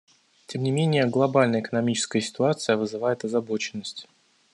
Тем не менее, глобальная экономическая ситуация вызывает озабоченность.